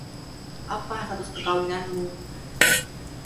Apa status perkawinanmu?